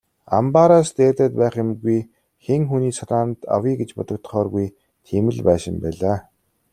Амбаараас дээрдээд байх юмгүй, хэн хүний санаанд авъя гэж бодогдохооргүй тийм л байшин байлаа.